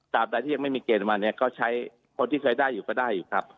ใดที่ยังไม่มีเกณฑ์มาเนี่ยก็ใช้คนที่เคยได้อยู่ก็ได้อยู่ครับ